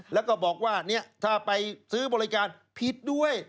แล้วก็บอกว่าถ้าไปซื้อบริการผิดด้วย